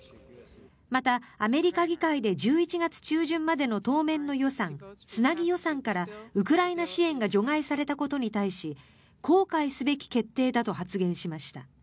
また、アメリカ議会で１１月中旬までの当面の予算つなぎ予算からウクライナ支援が除外されたことに対し後悔すべき決定だと発言しました。